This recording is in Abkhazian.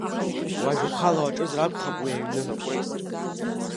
Уажә ухала уаҿызар акәхап уи аҩны.